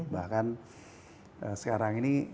bahkan sekarang ini